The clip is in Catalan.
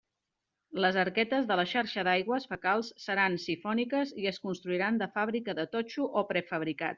Les arquetes de la xarxa d'aigües fecals seran sifòniques i es construiran de fàbrica de totxo o prefabricat.